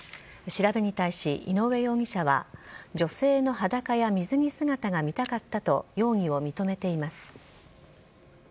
調べに対し、井上容疑者は、女性の裸や水着姿が見たかったと容疑を認めています。